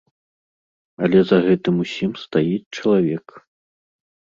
Але за гэтым усім стаіць чалавек.